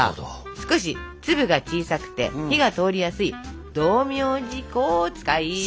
少し粒が小さくて火が通りやすい道明寺粉を使います。